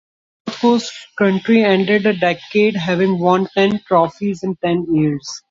The south coast county ended the decade having won ten trophies in ten years.